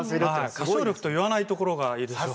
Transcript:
歌唱力と言わないところがいいでしょ。